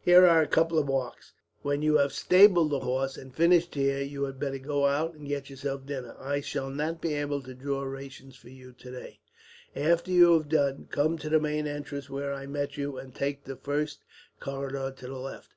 Here are a couple of marks. When you have stabled the horses and finished here, you had better go out and get yourself dinner. I shall not be able to draw rations for you for today. "After you have done, come to the main entrance where I met you and take the first corridor to the left.